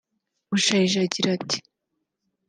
Bushayija agira ati